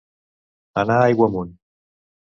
Anar aigua amunt.